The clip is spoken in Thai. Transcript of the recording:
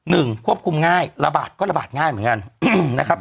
ควบคุมง่ายระบาดก็ระบาดง่ายเหมือนกันนะครับ